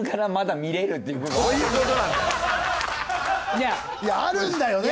いやあるんだよね。